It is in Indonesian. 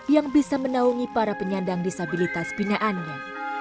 yang bisa menaungi para penyandang disabilitas binaannya